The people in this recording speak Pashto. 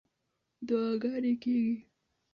دعاګانې کېږي.